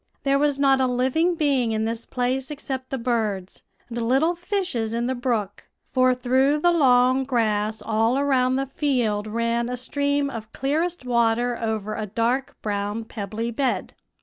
"There was not a living being in this place except the birds, and little fishes in the brook; for through the long grass all around the field ran a stream of clearest water over a dark brown, pebbly bed.